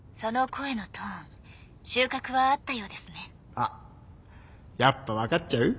あっやっぱ分かっちゃう？